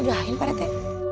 ludahin pada te